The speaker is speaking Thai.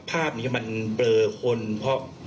ภาพนี้มันเบลอคนเพราะ